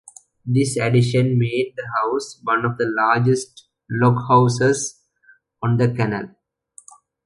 This addition made the house one of the largest lock houses on the canal.